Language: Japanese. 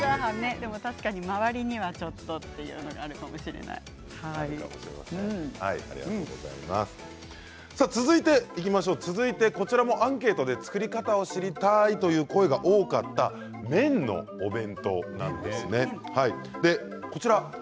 でも周りにはちょっと、というの続いてこちらもアンケートで作り方を知りたいという声が多かった麺のお弁当です。